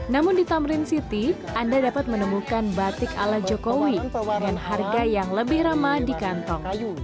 namun di tamrin city anda dapat menemukan batik ala jokowi dengan harga yang lebih ramah di kantong